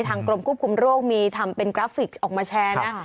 กรมควบคุมโรคมีทำเป็นกราฟิกออกมาแชร์นะ